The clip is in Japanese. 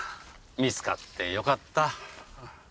見つかってよかった。